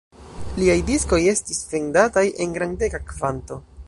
Liaj diskoj estis vendataj en grandega kvanto.